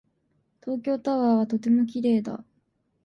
東京タワーはとても綺麗だ。